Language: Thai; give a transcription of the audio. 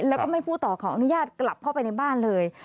แล้วก็ไม่พูดต่อขออนุญาตกลับเข้าไปในบ้านเลย